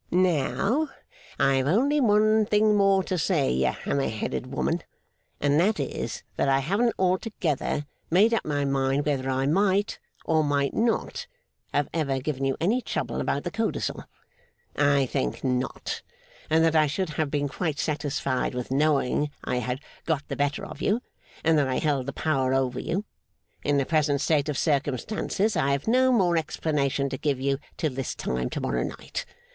Now, I have only one thing more to say, you hammer headed woman, and that is, that I haven't altogether made up my mind whether I might, or might not, have ever given you any trouble about the codicil. I think not; and that I should have been quite satisfied with knowing I had got the better of you, and that I held the power over you. In the present state of circumstances, I have no more explanation to give you till this time to morrow night.